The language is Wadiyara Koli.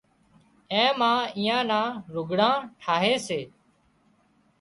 اين مان ايئان نان لگھڙان ٺاهي سي